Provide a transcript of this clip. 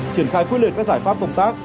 triển khai quyết liệt các giải pháp công tác